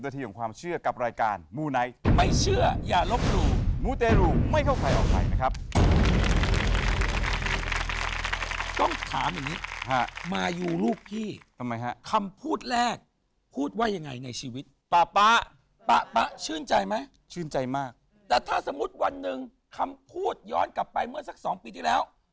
แต่ถ้าสมมุติวันนึงคำพูดย้อนกลับไปเมื่อสัก๒ปีที่แล้ว